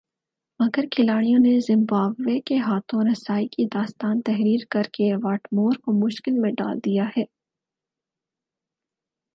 مگر کھلاڑیوں نے زمبابوے کے ہاتھوں رسائی کی داستان تحریر کر کے واٹمور کو مشکل میں ڈال دیا ہے